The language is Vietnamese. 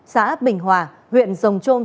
xã bình hòa huyện rồng trôm